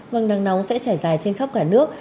vâng nắng nóng sẽ trải dài trên khắp cả nước